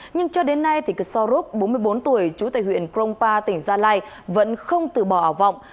nhưng cho đến nay cực so rốt bốn mươi bốn tuổi chủ tịch huyện krongpa tỉnh gia lai vẫn không từ bỏ ảo vọng